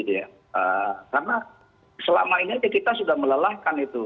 karena selama ini kita sudah melelahkan itu